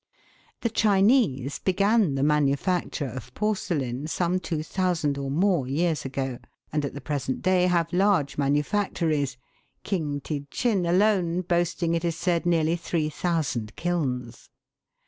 The Chinese began the manufacture of porcelain some two thousand or more years ago, and at the present day have large manufactories, King ti chin alone boasting, it is said, nearly 3,000 kilns.